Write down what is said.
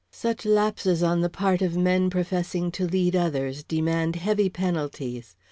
Such lapses on the part of men professing to lead others demand heavy penalties.